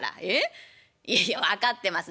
いやいや分かってます